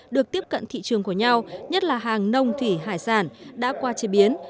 được tiếp cận thị trường của nhau nhất là hàng nông thủy hải sản đã qua chế biến